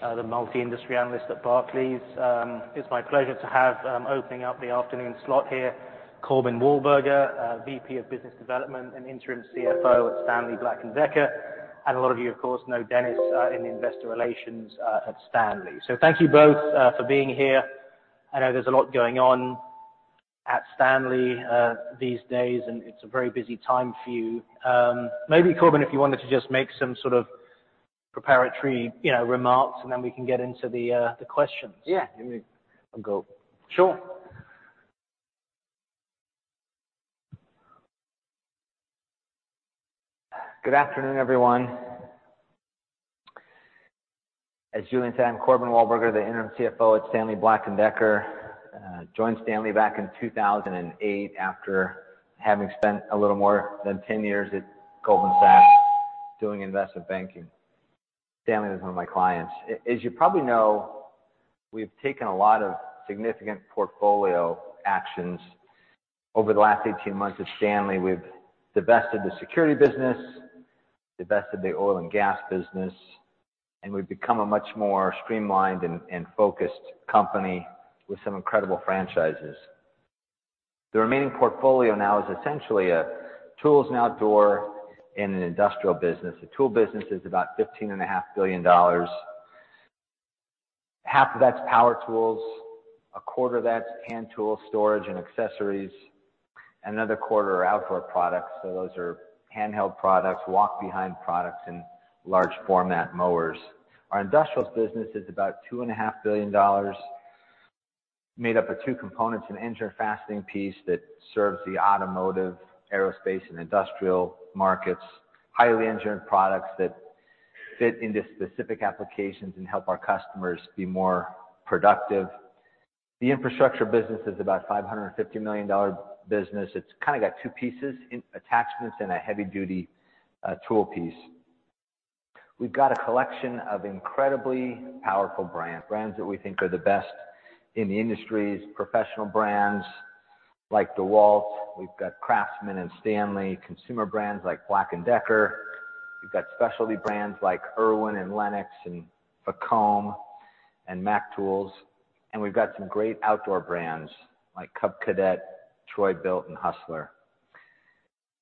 The multi-industry analyst at Barclays. It's my pleasure to have opening up the afternoon slot here, Corbin Walburger, VP of Business Development and Interim CFO at Stanley Black & Decker. A lot of you, of course, know Dennis in Investor Relations at Stanley. Thank you both for being here. I know there's a lot going on at Stanley these days, and it's a very busy time for you. Maybe Corbin, if you wanted to just make some sort of preparatory, you know, remarks, and then we can get into the questions. Yeah. Let me go. Sure. Good afternoon, everyone. As Julian said, I'm Corbin Walburger, the interim CFO at Stanley Black & Decker. Joined Stanley back in 2008 after having spent a little more than 10 years at Goldman Sachs doing investment banking. Stanley was one of my clients. As you probably know, we've taken a lot of significant portfolio actions over the last 18 months at Stanley. We've divested the security business, divested the oil and gas business, and we've become a much more streamlined and focused company with some incredible franchises. The remaining portfolio now is essentially a tools and outdoor in an industrial business. The tool business is about fifteen and a half billion dollars. Half of that's power tools, a quarter of that's hand tools, storage, and accessories, another quarter are outdoor products. Those are handheld products, walk-behind products, and large format mowers. Our industrials business is about $2.5 billion, made up of two components: an engineered fastening piece that serves the automotive, aerospace, and industrial markets, highly engineered products that fit into specific applications and help our customers be more productive. The infrastructure business is about $550 million business. It's kinda got two pieces: attachments and a heavy-duty tool piece. We've got a collection of incredibly powerful brands that we think are the best in the industries. Professional brands like DEWALT. We've got CRAFTSMAN and Stanley. Consumer brands like Black & Decker. We've got specialty brands like IRWIN and LENOX and FACOM and Mac Tools. We've got some great outdoor brands like Cub Cadet, Troy-Bilt, and Hustler.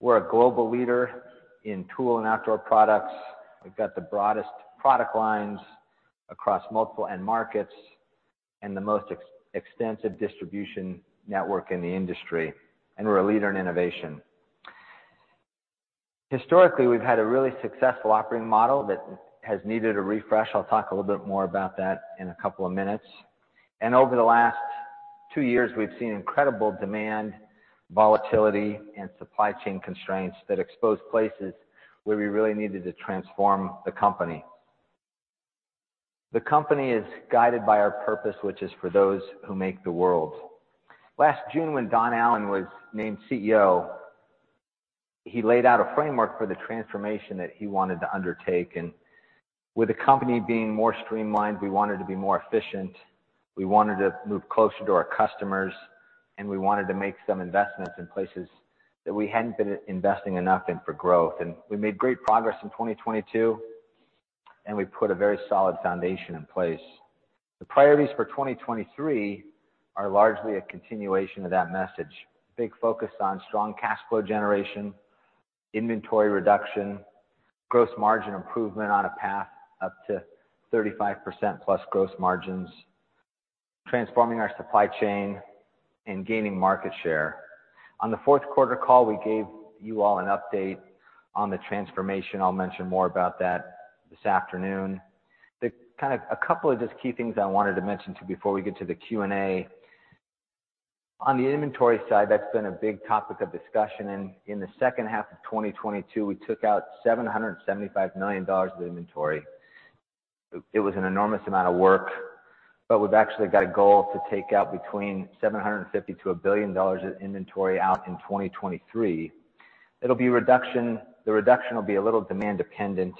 We're a global leader in tool and outdoor products. We've got the broadest product lines across multiple end markets and the most extensive distribution network in the industry. We're a leader in innovation. Historically, we've had a really successful operating model that has needed a refresh. I'll talk a little bit more about that in a couple of minutes. Over the last two years, we've seen incredible demand, volatility, and supply chain constraints that exposed places where we really needed to transform the company. The company is guided by our purpose, which is for those who make the world. Last June, when Don Allan was named CEO, he laid out a framework for the transformation that he wanted to undertake. With the company being more streamlined, we wanted to be more efficient, we wanted to move closer to our customers, and we wanted to make some investments in places that we hadn't been investing enough in for growth. We made great progress in 2022, and we put a very solid foundation in place. The priorities for 2023 are largely a continuation of that message. Big focus on strong cash flow generation, inventory reduction, gross margin improvement on a path up to 35% plus gross margins, transforming our supply chain and gaining market share. On the Q4 call, we gave you all an update on the transformation. I'll mention more about that this afternoon. kinda a couple of just key things I wanted to mention too before we get to the Q&A. On the inventory side, that's been a big topic of discussion. In the H2 of 2022, we took out $775 million of inventory. It was an enormous amount of work, but we've actually got a goal to take out between $750 million to $1 billion of inventory out in 2023. It'll be the reduction will be a little demand dependent,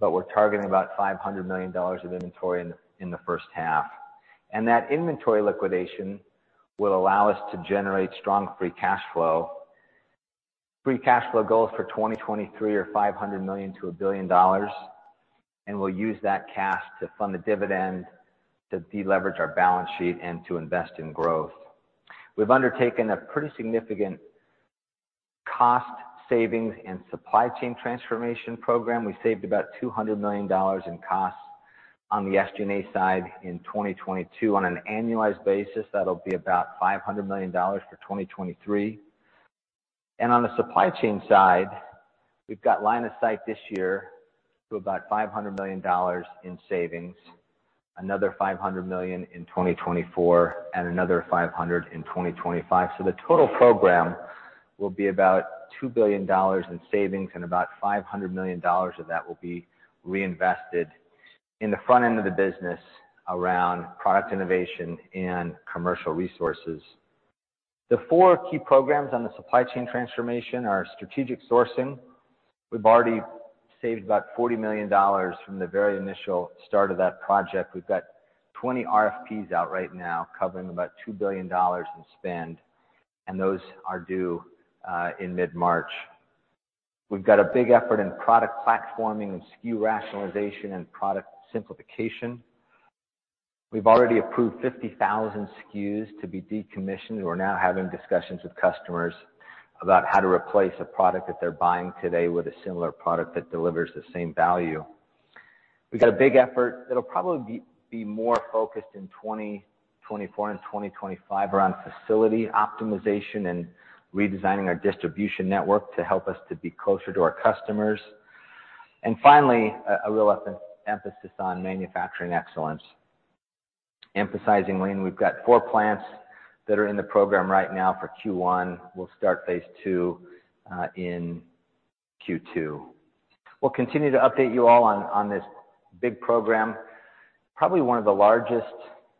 but we're targeting about $500 million of inventory in the H1. That inventory liquidation will allow us to generate strong free cash flow. Free cash flow goals for 2023 are $500 million to $1 billion, and we'll use that cash to fund the dividend to de-leverage our balance sheet and to invest in growth. We've undertaken a pretty significant cost savings and supply chain transformation program. We saved about $200 million in costs on the SG&A side in 2022. On an annualized basis, that'll be about $500 million for 2023. On the supply chain side, we've got line of sight this year to about $500 million in savings, another $500 million in 2024, and another $500 million in 2025. The total program will be about $2 billion in savings, and about $500 million of that will be reinvested in the front end of the business around product innovation and commercial resources. The four key programs on the supply chain transformation are strategic sourcing. We've already saved about $40 million from the very initial start of that project. We've got 20 RFPs out right now covering about $2 billion in spend, and those are due in mid-March. We've got a big effort in product platforming and SKU rationalization and product simplification. We've already approved 50,000 SKUs to be decommissioned. We're now having discussions with customers about how to replace a product that they're buying today with a similar product that delivers the same value. We've got a big effort that'll probably be more focused in 2024 and 2025 around facility optimization and redesigning our distribution network to help us to be closer to our customers. Finally, a real emphasis on manufacturing excellence. Emphasizing lean, we've got 4 plants that are in the program right now for Q1. We'll start phase II in Q2. We'll continue to update you all on this big program. Probably one of the largest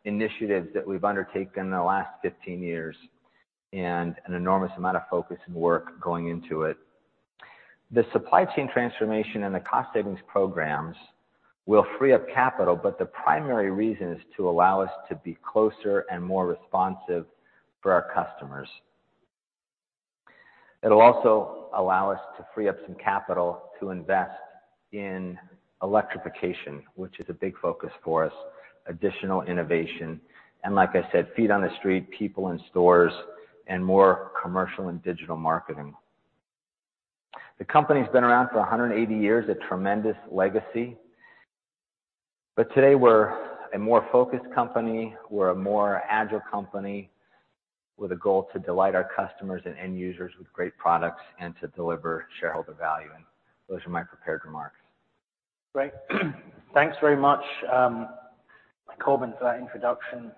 initiatives that we've undertaken in the last 15 years, and an enormous amount of focus and work going into it. The supply chain transformation and the cost savings programs will free up capital. The primary reason is to allow us to be closer and more responsive for our customers. It'll also allow us to free up some capital to invest in electrification, which is a big focus for us, additional innovation, and like I said, feet on the street, people in stores, and more commercial and digital marketing. The company's been around for 180 years, a tremendous legacy. Today, we're a more focused company. We're a more agile company with a goal to delight our customers and end users with great products and to deliver shareholder value. Those are my prepared remarks. Great. Thanks very much, Corbin, for that introduction.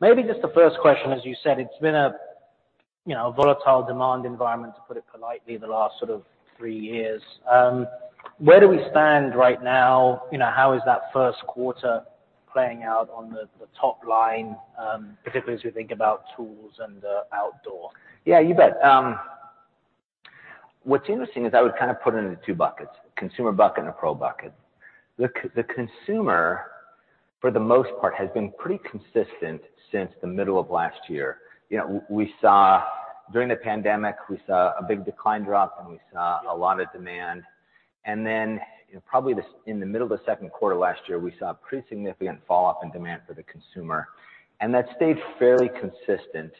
Maybe just the first question, as you said, it's been a, you know, volatile demand environment, to put it politely, the last sort of three years. Where do we stand right now? You know, how is that Q1 playing out on the top line, particularly as we think about tools and outdoor? Yeah, you bet. What's interesting is I would kind of put it into two buckets: consumer bucket and a pro bucket. The consumer, for the most part, has been pretty consistent since the middle of last year. You know, we saw during the pandemic, we saw a big decline drop, and we saw a lot of demand. Probably in the middle of the Q2 last year, we saw a pretty significant falloff in demand for the consumer. That stayed fairly consistent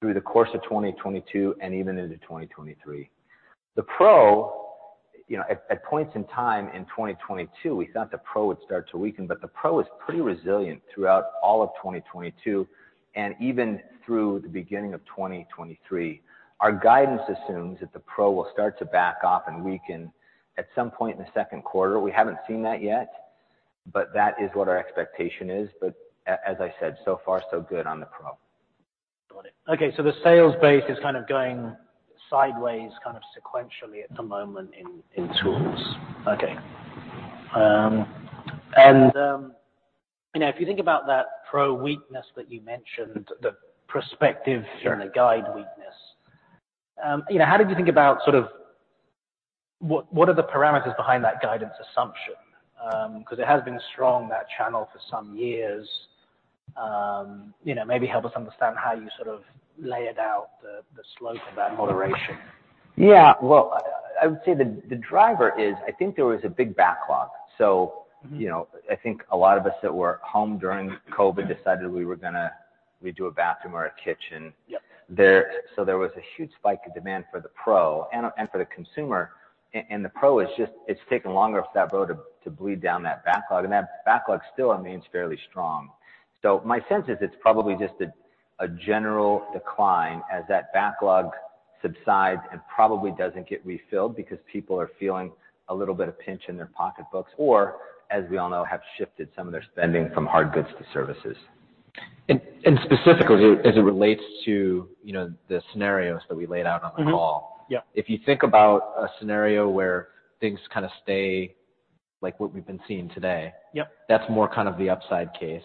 through the course of 2022 and even into 2023. The pro, you know, at points in time in 2022, we thought the pro would start to weaken, the pro was pretty resilient throughout all of 2022 and even through the beginning of 2023. Our guidance assumes that the pro will start to back off and weaken at some point in the Q2. We haven't seen that yet, but that is what our expectation is. As I said, so far so good on the pro. Got it. Okay. The sales base is kind of going sideways, kind of sequentially at the moment in tools. Okay. you know, if you think about that pro weakness that you mentioned. Sure. The guide weakness, you know, how did you think about sort of what are the parameters behind that guidance assumption? 'Cause it has been strong, that channel, for some years. You know, maybe help us understand how you sort of layered out the slope of that moderation. Yeah. Well, I would say the driver is, I think there was a big backlog. Mm-hmm. You know, I think a lot of us that were home during COVID decided we were gonna redo a bathroom or a kitchen. Yep. There was a huge spike in demand for the pro and for the consumer. It's taken longer for that load to bleed down that backlog, and that backlog still remains fairly strong. My sense is it's probably just a general decline as that backlog subsides and probably doesn't get refilled because people are feeling a little bit of pinch in their pocketbooks, or, as we all know, have shifted some of their spending from hard goods to services. Specifically, as it relates to, you know, the scenarios that we laid out on the call. Yep. If you think about a scenario where things kind of stay like what we've been seeing today. Yep. That's more kind of the upside case.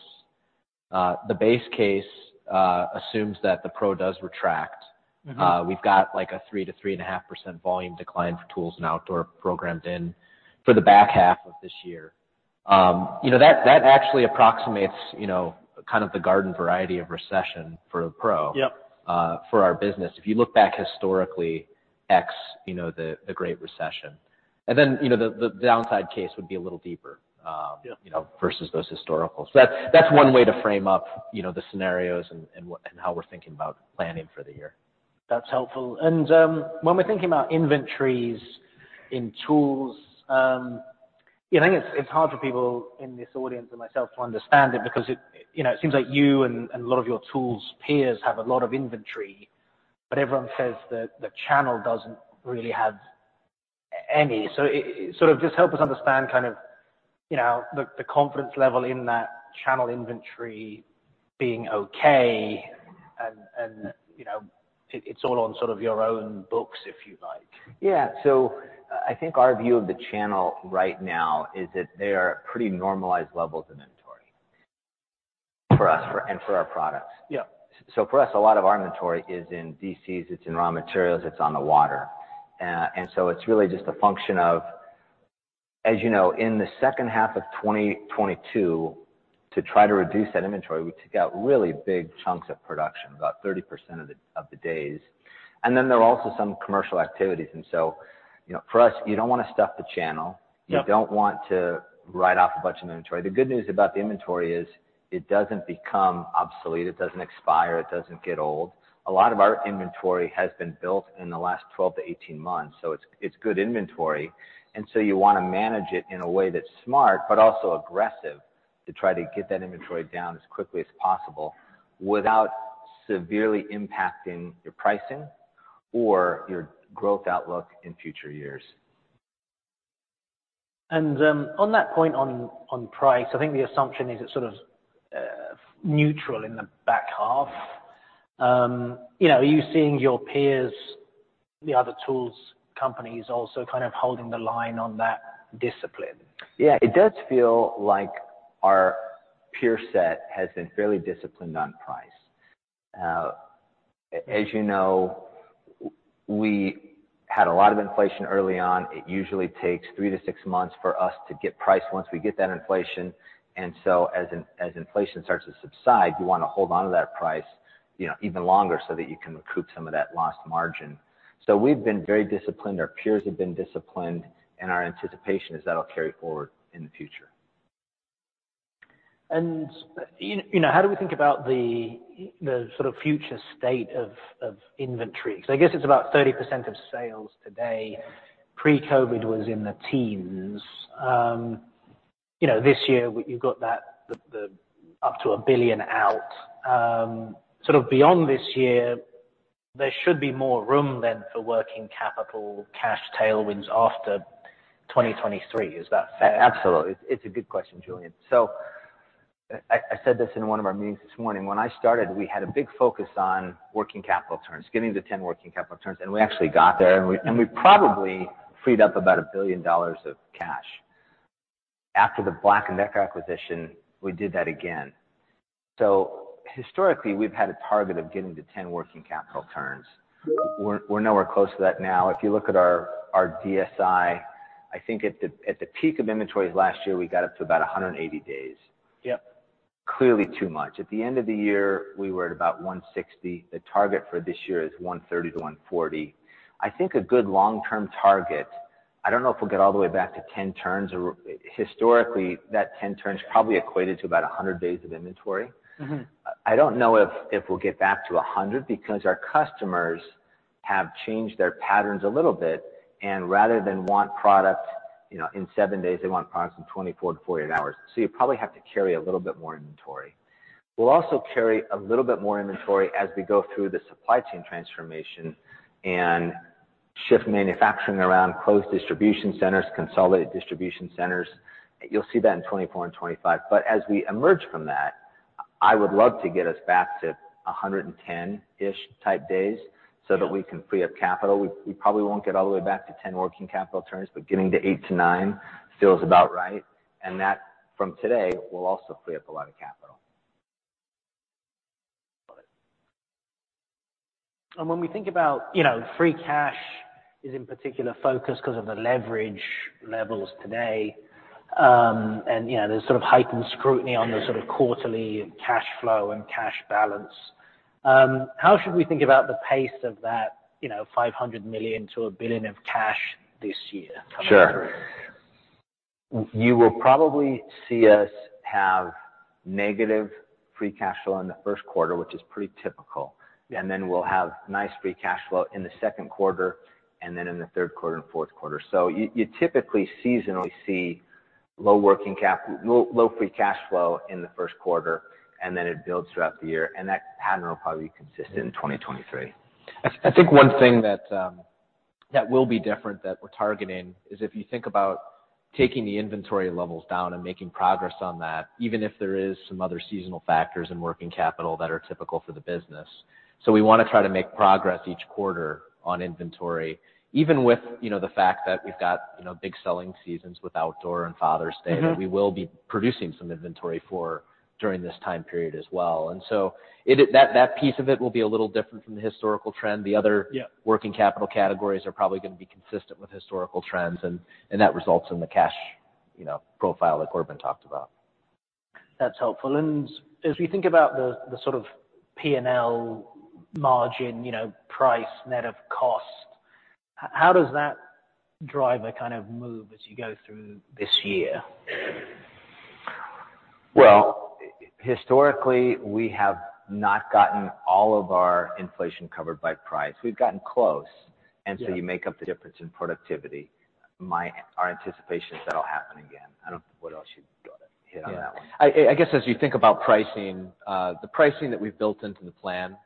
The base case, assumes that the pro does retract. Mm-hmm. We've got, like, a 3% to 3.5% volume decline for tools and outdoor programmed in for the back half of this year. You know, that actually approximates, you know, kind of the garden variety of recession. Yep. for our business. If you look back historically, you know, the Great Recession. You know, the downside case would be a little deeper. Yeah. you know, versus those historicals. That's one way to frame up, you know, the scenarios and what and how we're thinking about planning for the year. That's helpful. When we're thinking about inventories in tools, you know, I think it's hard for people in this audience and myself to understand it because it, you know, it seems like you and a lot of your tools peers have a lot of inventory, but everyone says that the channel doesn't really have any. Sort of just help us understand kind of, you know, the confidence level in that channel inventory being okay and, you know, it's all on sort of your own books, if you like. Yeah. I think our view of the channel right now is that they are at pretty normalized levels of inventory for us and for our products. Yeah. For us, a lot of our inventory is in DCs, it's in raw materials, it's on the water. It's really just a function of, as you know, in the H2 of 2022, to try to reduce that inventory, we took out really big chunks of production, about 30% of the, of the days. Then there are also some commercial activities. You know, for us, you don't wanna stuff the channel. Yeah. You don't want to write off a bunch of inventory. The good news about the inventory is it doesn't become obsolete, it doesn't expire, it doesn't get old. A lot of our inventory has been built in the last 12 to 18 months, so it's good inventory. You wanna manage it in a way that's smart, but also aggressive to try to get that inventory down as quickly as possible without severely impacting your pricing or your growth outlook in future years. On that point on price, I think the assumption is it's sort of neutral in the back half. You know, are you seeing your peers, the other tools companies also kind of holding the line on that discipline? Yeah. It does feel like our peer set has been fairly disciplined on price. As you know, we had a lot of inflation early on. It usually takes three to six months for us to get price once we get that inflation. As inflation starts to subside, you wanna hold on to that price, you know, even longer so that you can recoup some of that lost margin. We've been very disciplined, our peers have been disciplined, and our anticipation is that'll carry forward in the future. You know, how do we think about the sort of future state of inventory? I guess it's about 30% of sales today. Pre-COVID was in the teens. You know, this year you've got that the up to $1 billion out. Sort of beyond this year, there should be more room then for working capital cash tailwinds after 2023. Is that fair? Absolutely. It's a good question, Julian. I said this in one of our meetings this morning. When I started, we had a big focus on working capital turns, getting to 10 working capital turns, and we actually got there. We probably freed up about $1 billion of cash. After the Black & Decker acquisition, we did that again. Historically, we've had a target of getting to 10 working capital turns. We're nowhere close to that now. If you look at our DSI, I think at the peak of inventories last year, we got up to about 180 days. Yep. Clearly too much. At the end of the year, we were at about 160. The target for this year is 130-140. I think a good long-term target, I don't know if we'll get all the way back to 10 turns or... Historically, that 10 turns probably equated to about 100 days of inventory. Mm-hmm. I don't know if we'll get back to 100 because our customers have changed their patterns a little bit, and rather than want product, you know, in 7 days, they want products in 24-48 hours. We'll also carry a little bit more inventory as we go through the supply chain transformation and shift manufacturing around closed distribution centers, consolidated distribution centers. You'll see that in 2024 and 2025. As we emerge from that, I would love to get us back to 110-ish type days so that we can free up capital. We probably won't get all the way back to 10 working capital turns, but getting to 8-9 feels about right. That, from today, will also free up a lot of capital. Got it. When we think about, you know, free cash is in particular focus 'cause of the leverage levels today, you know, there's sort of heightened scrutiny on the sort of quarterly cash flow and cash balance. How should we think about the pace of that, you know, $500 million-$1 billion of cash this year coming through? Sure. You will probably see us have negative free cash flow in the Q1, which is pretty typical. We'll have nice free cash flow in the Q2, and then in the Q3 and Q4. You typically seasonally see low free cash flow in the Q1, and then it builds throughout the year. That pattern will probably be consistent in 2023. I think one thing that will be different that we're targeting is if you think about taking the inventory levels down and making progress on that, even if there is some other seasonal factors in working capital that are typical for the business. We wanna try to make progress each quarter on inventory, even with, you know, the fact that we've got, you know, big selling seasons with outdoor and Father's Day. Mm-hmm. that we will be producing some inventory for during this time period as well. That piece of it will be a little different from the historical trend. The other. Yeah. working capital categories are probably gonna be consistent with historical trends, and that results in the cash, you know, profile that Corbin Walburger talked about. That's helpful. As we think about the sort of P&L margin, you know, price net of cost, how does that driver kind of move as you go through this year? Well, historically, we have not gotten all of our inflation covered by price. We've gotten close. Yeah. You make up the difference in productivity. Our anticipation is that'll happen again. I don't know what else you'd wanna hit on that one. Yeah. I guess as you think about pricing, the pricing that we've built into the plan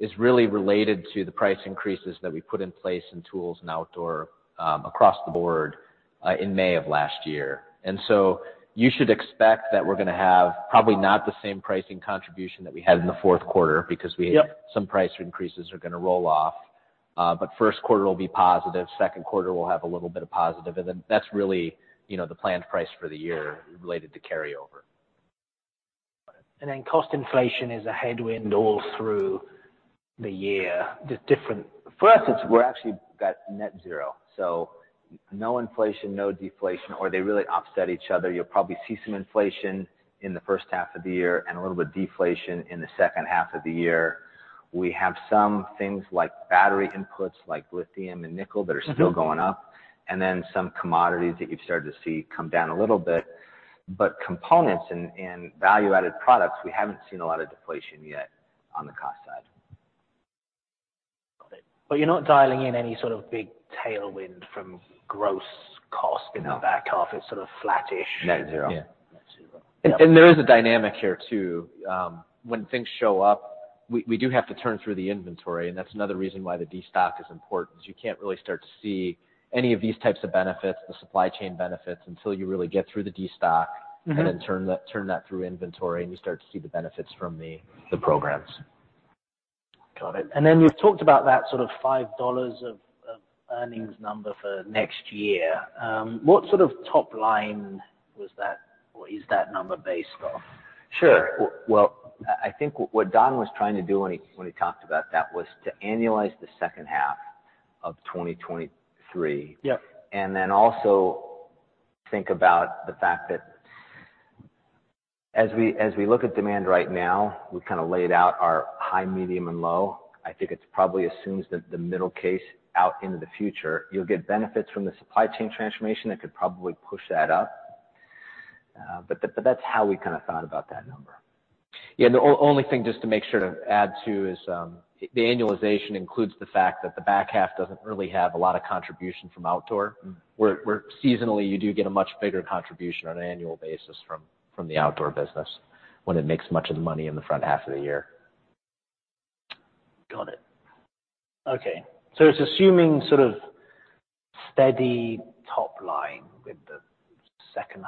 is really related to the price increases that we put in place in tools and outdoor, across the board, in May of last year. You should expect that we're gonna have probably not the same pricing contribution that we had in the Q4 because. Yep. Some price increases are gonna roll off. Q1 will be positive, Q2 will have a little bit of positive, and then that's really, you know, the planned price for the year related to carry over. Cost inflation is a headwind all through the year. For us, it's, we're actually got net zero, so no inflation, no deflation, or they really offset each other. You'll probably see some inflation in the H1 of the year and a little bit deflation in the H2 of the year. We have some things like battery inputs, like lithium and nickel that are still going up, and then some commodities that you've started to see come down a little bit. Components and value-added products, we haven't seen a lot of deflation yet on the cost side. Got it. You're not dialing in any sort of big tailwind from gross cost in the back half. It's sort of flattish. Net zero. Yeah. There is a dynamic here too. When things show up, we do have to turn through the inventory, and that's another reason why the destock is important, 'cause you can't really start to see any of these types of benefits, the supply chain benefits, until you really get through the destock. Mm-hmm. Then turn that through inventory, and you start to see the benefits from the programs. Got it. Then you've talked about that sort of $5 of earnings number for next year. What sort of top line was that or is that number based off? Sure. Well, I think what Don was trying to do when he, when he talked about that was to annualize the H2 of 2023. Yep. Also think about the fact that as we look at demand right now, we kind of laid out our high, medium, and low. I think it's probably assumes that the middle case out into the future, you'll get benefits from the supply chain transformation that could probably push that up. But that's how we kinda thought about that number. The on-only thing just to make sure to add to is the annualization includes the fact that the back half doesn't really have a lot of contribution from outdoor. Mm-hmm. Where seasonally, you do get a much bigger contribution on an annual basis from the outdoor business when it makes much of the money in the front half of the year. Got it. Okay. It's assuming sort of steady top line with the H2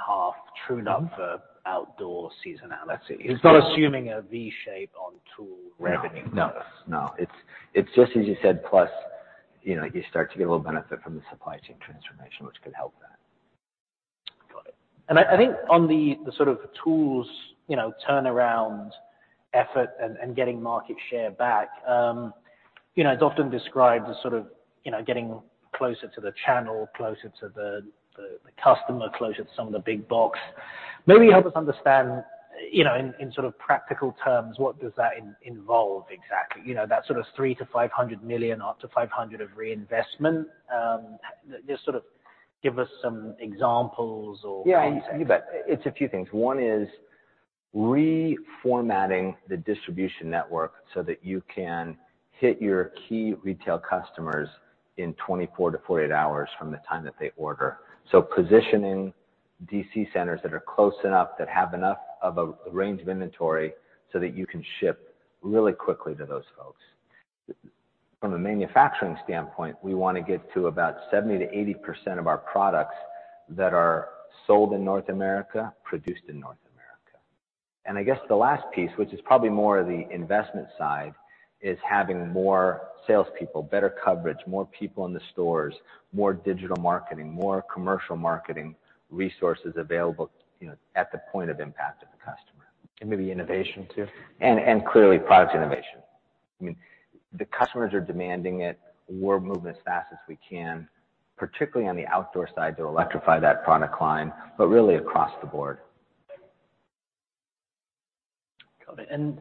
trued up for outdoor seasonality. It's not assuming a V shape on tool revenue. No. No. No. It's just as you said, plus, you know, you start to get a little benefit from the supply chain transformation, which could help that. Got it. I think on the sort of tools, you know, turnaround effort and getting market share back, you know, it's often described as sort of, you know, getting closer to the channel, closer to the customer, closer to some of the big box. Maybe help us understand, you know, in sort of practical terms, what does that involve exactly? You know, that sort of $300 million-$500 million, up to $500 million of reinvestment. Just sort of give us some examples or context. Yeah. You bet. It's a few things. One is reformatting the distribution network so that you can hit your key retail customers in 24-48 hours from the time that they order. Positioning DC centers that are close enough, that have enough of a range of inventory so that you can ship really quickly to those folks. From a manufacturing standpoint, we wanna get to about 70%-80% of our products that are sold in North America, produced in North America. I guess the last piece, which is probably more the investment side, is having more salespeople, better coverage, more people in the stores, more digital marketing, more commercial marketing resources available, you know, at the point of impact of the customer. Maybe innovation too. Clearly product innovation. I mean, the customers are demanding it. We're moving as fast as we can, particularly on the outdoor side, to electrify that product line, but really across the board. Got it.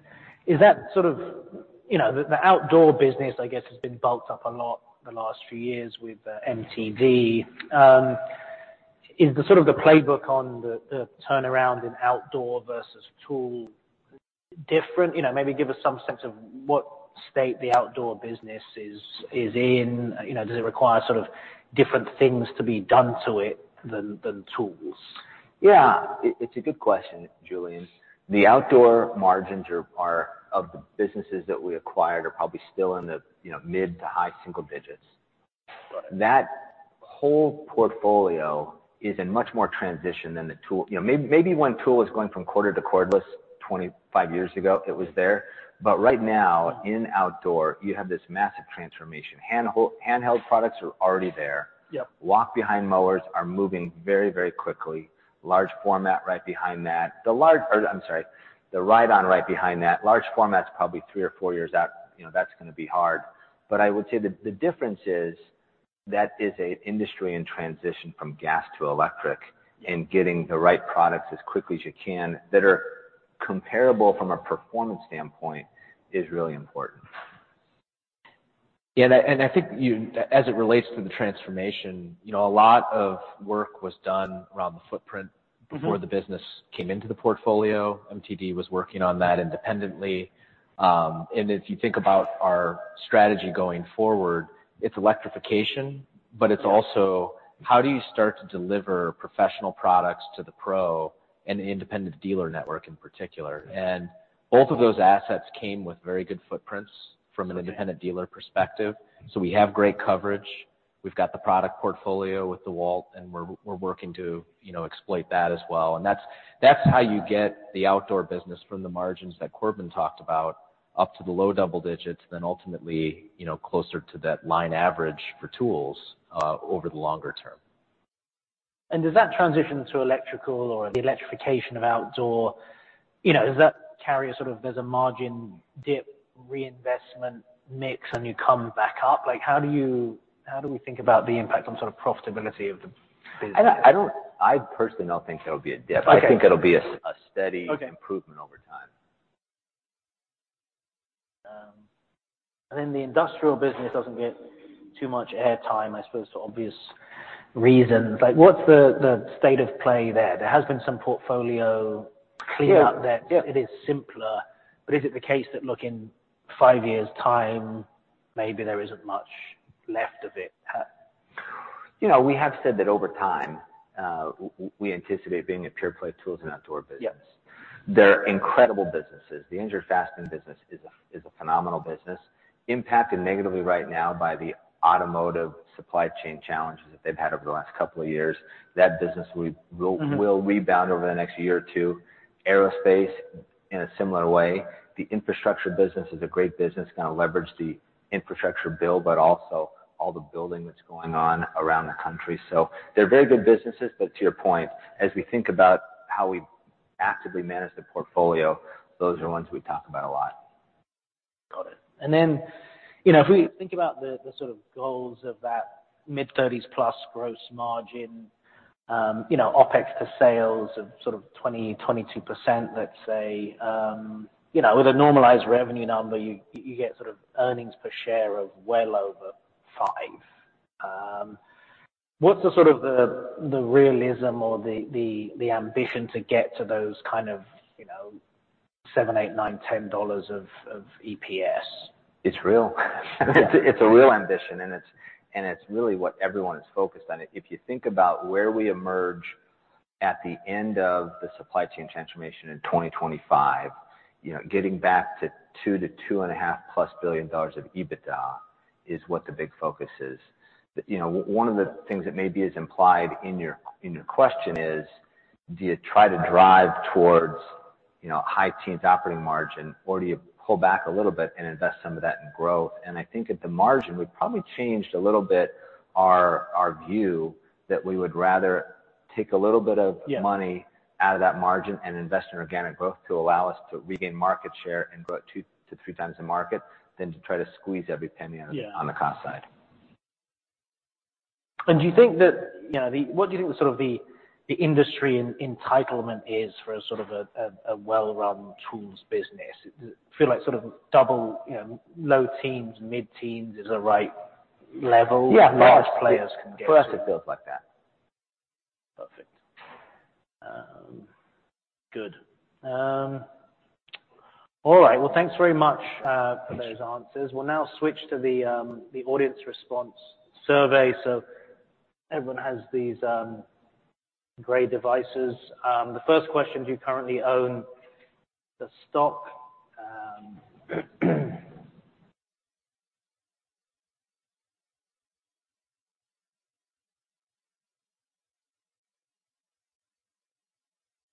Is that sort of, you know, the outdoor business, I guess, has been bulked up a lot the last few years with MTD? Is the sort of the playbook on the turnaround in outdoor versus tool different? You know, maybe give us some sense of what state the outdoor business is in. You know, does it require sort of different things to be done to it than tools? It's a good question, Julian. The outdoor margins of the businesses that we acquired are probably still in the, you know, mid to high single digits. That whole portfolio is in much more transition than the tool. You know, maybe when tool was going from corded to cordless 25 years ago, it was there. Right now, in outdoor, you have this massive transformation. Handheld products are already there. Yep. Walk-behind mowers are moving very, very quickly. Large format right behind that. or I'm sorry, the ride-on right behind that. Large format's probably three or four years out, you know, that's gonna be hard. I would say the difference is that is a industry in transition from gas to electric, and getting the right products as quickly as you can that are comparable from a performance standpoint is really important. Yeah. I think as it relates to the transformation, you know, a lot of work was done around the footprint. Mm-hmm. before the business came into the portfolio. MTD was working on that independently. If you think about our strategy going forward, it's electrification, but it's also how do you start to deliver professional products to the pro and the independent dealer network in particular? Both of those assets came with very good footprints from an independent dealer perspective. We have great coverage We've got the product portfolio with DEWALT, we're working to, you know, exploit that as well. That's how you get the outdoor business from the margins that Corbin talked about up to the low double digits, then ultimately, you know, closer to that line average for tools over the longer term. Does that transition to electrical or the electrification of outdoor? You know, does that carry a sort of there's a margin dip reinvestment mix, and you come back up? Like, how do we think about the impact on sort of profitability of the business? I personally don't think there'll be a dip. Okay. I think it'll be a steady- Okay. improvement over time. The industrial business doesn't get too much air time, I suppose for obvious reasons. Like what's the state of play there? There has been some portfolio cleanup there. Yeah. Yeah. It is simpler, but is it the case that, look, in five years' time, maybe there isn't much left of it? You know, we have said that over time, we anticipate being a pure play tools and outdoor business. Yeah. They're incredible businesses. The engineered fasten business is a phenomenal business, impacted negatively right now by the automotive supply chain challenges that they've had over the last couple of years. That business will Mm-hmm. rebound over the next year or two. Aerospace in a similar way. The infrastructure business is a great business, gonna leverage the infrastructure build, but also all the building that's going on around the country. They're very good businesses. To your point, as we think about how we actively manage the portfolio, those are ones we talk about a lot. Got it. Then, you know, if we think about the sort of goals of that mid-30s+ gross margin, you know, OpEx to sales of sort of 20%-22%, let's say. You know, with a normalized revenue number, you get sort of earnings per share of well over $5. What's the sort of the realism or the ambition to get to those kind of, you know, $7-$10 of EPS? It's real. Yeah. It's a, it's a real ambition, and it's, and it's really what everyone is focused on. If you think about where we emerge at the end of the supply chain transformation in 2025, you know, getting back to $2 billion-$2.5+ billion of EBITDA is what the big focus is. You know, one of the things that maybe is implied in your, in your question is, do you try to drive towards, you know, high teens operating margin, or do you pull back a little bit and invest some of that in growth? I think at the margin, we've probably changed a little bit our view that we would rather take a little bit of- Yeah. money out of that margin and invest in organic growth to allow us to regain market share and grow it 2x-3x the market than to try to squeeze every penny on the cost side. Yeah. Do you think that, you know, what do you think the sort of the industry entitlement is for a well-run tools business? Feel like sort of double, you know, low teens, mid-teens is the right level. Yeah. No. large players can get to. For us, it feels like that. Perfect. Good. All right. Thanks very much for those answers. Thank you. We'll now switch to the audience response survey. Everyone has these great devices. The first question, do you currently own the stock?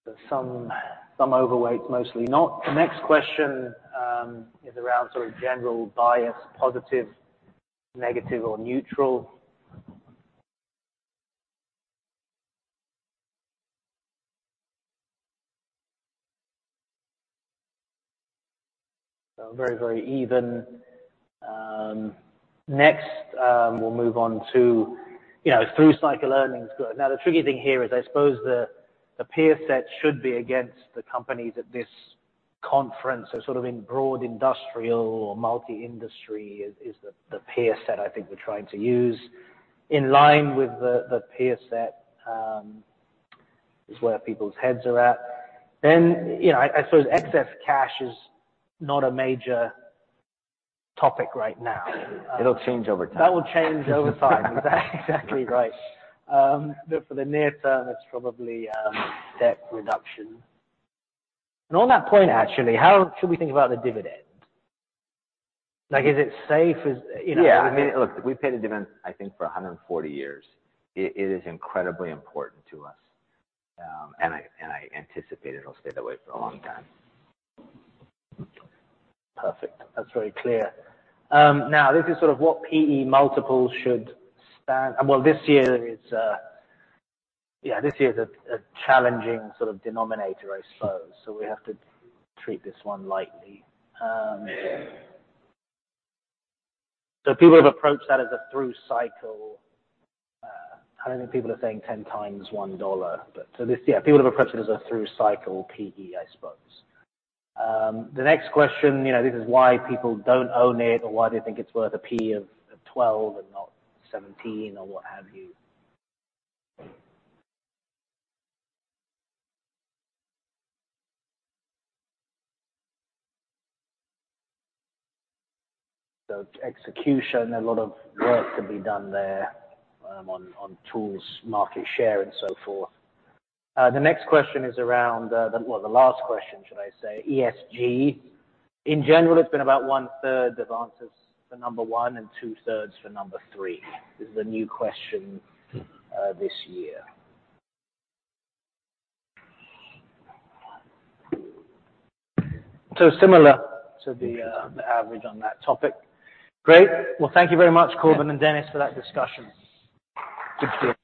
There's some overweight, mostly not. The next question is around sort of general bias, positive, negative or neutral. Very even. Next, we'll move on to, you know, through cycle earnings. Good. The tricky thing here is, I suppose the peer set should be against the companies at this conference. Sort of in broad industrial or multi-industry is the peer set I think we're trying to use. In line with the peer set is where people's heads are at. You know, I suppose excess cash is not a major topic right now. It'll change over time. That will change over time. Exactly, exactly right. But for the near term, it's probably debt reduction. On that point actually, how should we think about the dividend? Like, is it safe? Is, you know Yeah. I mean, look, we paid a dividend, I think, for 140 years. It is incredibly important to us. I anticipate it'll stay that way for a long time. Perfect. That's very clear. Now this is sort of what PE multiples should span. Well, this year is, yeah, this year is a challenging sort of denominator, I suppose. We have to treat this one lightly. People have approached that as a through cycle. How many people are saying 10x $1? This, yeah, people have approached it as a through cycle PE, I suppose. The next question, you know, this is why people don't own it or why they think it's worth a PE of 12 and not 17 or what have you. Execution, a lot of work to be done there, on tools, market share and so forth. The next question is around the last question, should I say, ESG. In general, it's been about one-third of answers for number one and two-thirds for number three. This is a new question, this year. similar to the average on that topic. Great. Well, thank you very much, Corbin and Dennis, for that discussion. Good to see you.